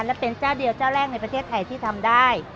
และเป็นเจ้าเดียวเจ้าแรกในประเทศไทยที่ทำได้